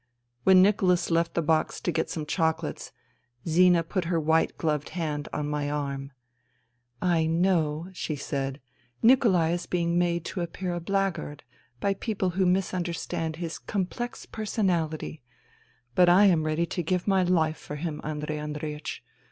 When Nicholas left the box to get some chocolates Zina put her white gloved hand on my arm. " I know," she said, " Nikolai is being made to appear a blackguard by people who misunderstand his complex personality, but I am ready to give my hfe for him, Andrei Andreiech.